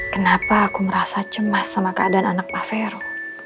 kenapa aku merasa cemas sama keadaan anak pak vero